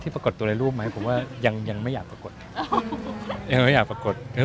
ที่ปรากฏตัวผลในรูปเราก็ยังไม่อยากปรากฏ